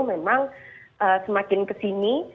memang semakin kesini